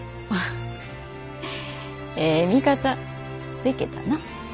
ええ味方でけたな。